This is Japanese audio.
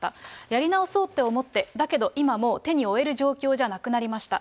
やり直そうって思って、だけど、今もう手に負える状況じゃなくなりました。